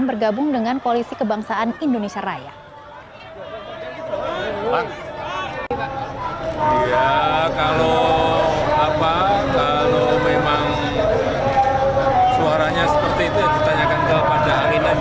bergabung dengan koalisi kebangsaan indonesia raya